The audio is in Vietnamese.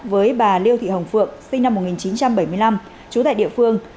với bà liêu thị hồng phượng sinh năm một nghìn chín trăm bảy mươi năm trú tại địa phương